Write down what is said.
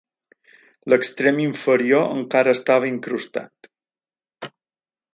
L'extrem inferior encara estava incrustat.